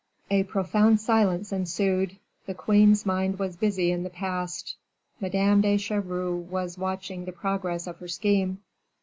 '" A profound silence ensued; the queen's mind was busy in the past; Madame de Chevreuse was watching the progress of her scheme.